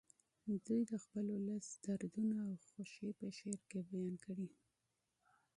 دوی د خپل ولس دردونه او خوښۍ په شعر کې بیان کړي